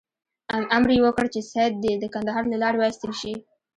امر یې وکړ چې سید دې د کندهار له لارې وایستل شي.